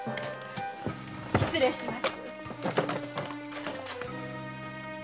失礼します。